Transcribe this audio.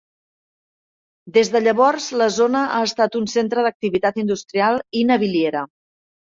Des de llavors, la zona ha estat un centre d'activitat industrial i naviliera.